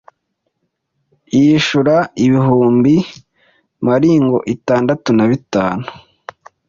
yishura ibihumbi mringo itandatu na bitanu